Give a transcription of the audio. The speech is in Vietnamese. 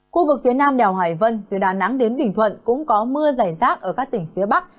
khu vực phía nam đèo hải vân từ đà nẵng đến bình thuận cũng có mưa dày rác ở các tỉnh phía bắc